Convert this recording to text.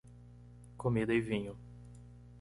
Comida e vinho